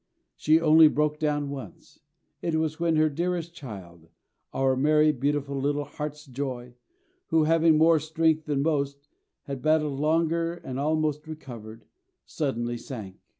She only broke down once. It was when her dearest child, our merry, beautiful little Heart's Joy, who, having more strength than most, had battled longer and almost recovered, suddenly sank.